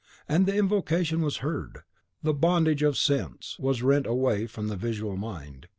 And the invocation was heard, the bondage of sense was rent away from the visual mind.